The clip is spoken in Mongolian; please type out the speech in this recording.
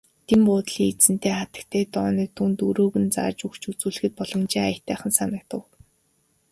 Дэн буудлын эзэгтэй хатагтай Дооне түүнд өрөөг нь зааж өгч үзүүлэхэд боломжийн аятайхан санагдав.